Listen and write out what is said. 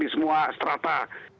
di semua strata